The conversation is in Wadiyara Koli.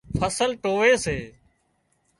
فصل ٽووي سي